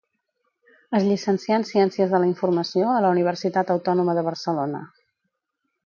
Es llicencià en Ciències de la Informació a la Universitat Autònoma de Barcelona.